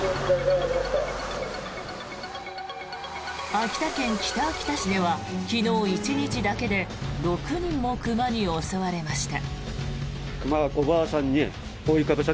秋田県北秋田市では昨日、１日だけで６人も熊に襲われました。